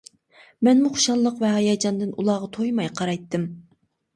مەنمۇ خۇشاللىق ۋە ھاياجاندىن ئۇلارغا تويماي قارايتتىم.